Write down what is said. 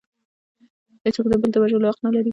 هیڅوک د بل د وژلو حق نلري